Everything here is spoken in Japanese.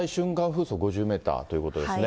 風速５０メーターということですね。